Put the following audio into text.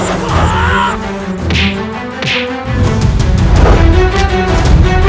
sampai jumpa lagi